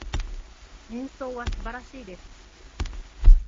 演奏は素晴らしいです。